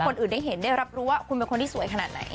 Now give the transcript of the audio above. คนอื่นได้เห็นได้รับรู้ว่าคุณเป็นคนที่สวยขนาดไหน